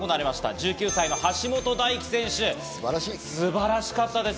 １９歳、橋本大輝選手、素晴らしかったです。